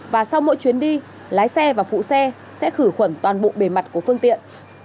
và sau mỗi chuyến đi lái xe và phụ xe sẽ khử khuẩn toàn bộ bề mặt của phương tiện